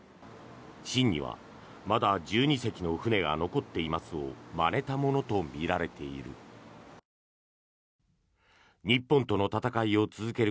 「臣にはまだ１２隻の船が残っています」をまねたものとみられている。